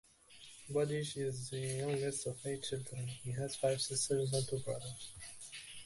Budig is the youngest of eight children, she has five sisters and two brothers.